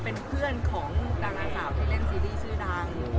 เป็นเพื่อนของดาราสาวที่เล่นซีรีส์ชื่อดังอยู่